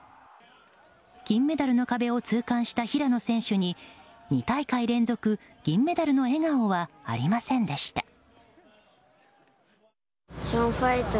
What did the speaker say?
金メダルの壁を痛感した平野選手に２大会連続銀メダルの笑顔はありませんでした。